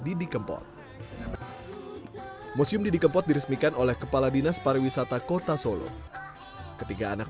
didi kempot museum didi kempot diresmikan oleh kepala dinas pariwisata kota solo ketiga anak